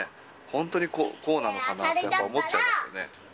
本当にこうなのかなって、やっぱ思っちゃいますよね。